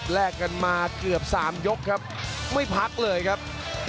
แรกกันมาเกือบ๓ยกครับไม่พักเลยครับ